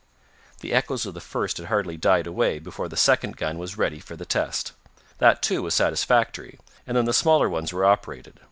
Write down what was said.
The echoes of the first had hardly died away before the second gun was ready for the test. That, too, was satisfactory, and then the smaller ones were operated.